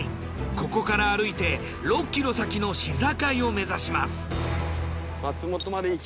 ここから歩いて６ｋｍ先の市境を目指します。